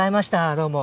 どうも。